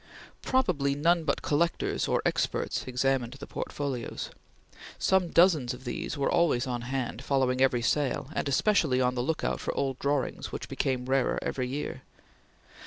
Probably none but collectors or experts examined the portfolios. Some dozens of these were always on hand, following every sale, and especially on the lookout for old drawings, which became rarer every year.